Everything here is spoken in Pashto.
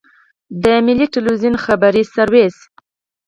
د ملي ټلویزیون خبري سرویس.